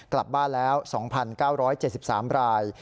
กลับบ้านแล้ว๒๙๗๓ราย